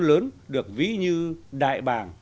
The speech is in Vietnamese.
lớn được ví như đại bàng